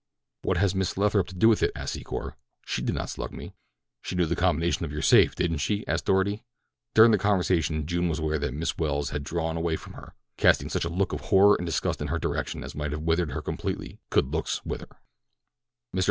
"What has Miss Lathrop to do with it?" asked Secor. "She did not slug me." "She knew the combination to your safe didn't she?" asked Doarty. During the conversation June was aware that Miss Welles had drawn away from her, casting such a look of horror and disgust in her direction as might have withered her completely could looks wither. Mr.